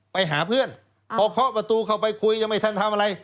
ไปหาเพื่อนพอเคาะประตูเข้าไปคุยยังไม่ทันทำอะไร